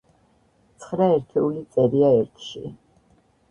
ცხრა ერთეული წერია ერთში.